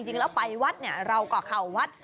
จริงแล้วไปวัดเราก็เขาวัด